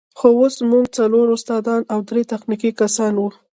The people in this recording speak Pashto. خو اوس موږ څلور استادان او درې تخنیکي کسان وو.